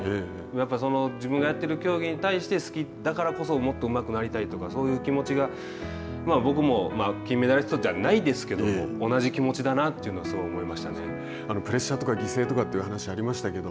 やっぱり自分がやっている競技に対して好きだからこそもっとうまくなりたいとかそういう気持ちが僕は金メダリストじゃないですけれども同じ気持ちだなっていうのをすごく思いましたね。